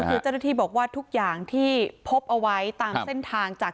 คือเจ้าหน้าที่บอกว่าทุกอย่างที่พบเอาไว้ตามเส้นทางจาก